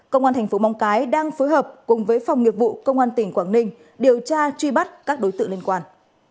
công an tp mong cái đang phối hợp cùng với phòng nghiệp vụ công an tỉnh quảng ninh điều tra truy bắt các đối tượng liên quan